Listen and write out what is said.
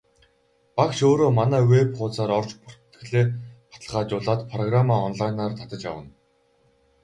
Багш өөрөө манай веб хуудсаар орж бүртгэлээ баталгаажуулаад программаа онлайнаар татаж авна.